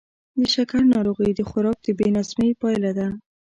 د شکرو ناروغي د خوراک د بې نظمۍ پایله ده.